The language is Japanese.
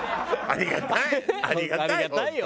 ありがたいわ。